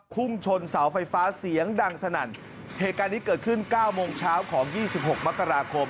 พุ่งชนเสาไฟฟ้าเสียงดังสนั่นเหตุการณ์นี้เกิดขึ้นเก้าโมงเช้าของยี่สิบหกมกราคม